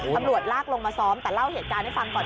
ตำรวจลากลงมาซ้อมแต่เล่าเหตุการณ์ให้ฟังก่อน